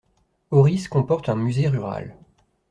Auris comporte un musée rural.